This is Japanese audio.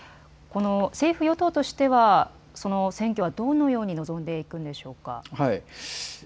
政府与党としては選挙はどのように臨んでいくんでしょうか。